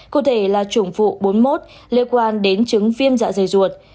cụ thể là chủng vụ bốn mươi một liên quan đến chứng viêm dạ dày ruột